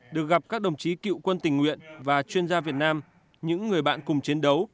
được gặp các đồng chí cựu quân tình nguyện và chuyên gia việt nam những người bạn cùng chiến đấu